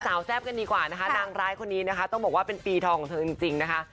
แซ่บกันดีกว่านะคะนางร้ายคนนี้นะคะต้องบอกว่าเป็นปีทองของเธอจริงนะคะ